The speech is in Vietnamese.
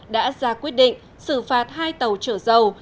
đã ra quyết định xử phạt hai tàu chở dầu